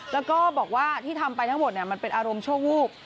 แล้วก็บอกว่าที่ทำไปทั้งหมดมันเป็นอารมณ์ชั่ววูบ